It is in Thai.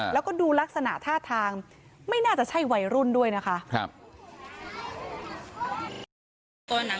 แล้วก็ดูลักษณะท่าทางไม่น่าจะใช่วัยรุ่นด้วยนะคะ